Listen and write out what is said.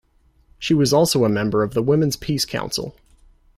She was also a member of the Women's Peace Council.